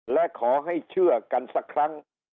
และขอให้เชื่อกันสักครั้ง